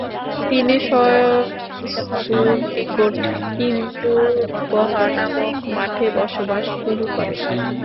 তিনি স্বয়ম্ভুর নিকট কিন্দু বহা নামক মঠে বসবাস শুরু করেন।